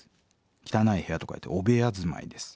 「汚い部屋」と書いて「汚部屋住まいです。